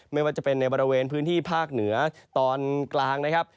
ไม่ว่าจะเป็นในบริเวณพื้นที่ภาคเหนือตอนกลางนะครับ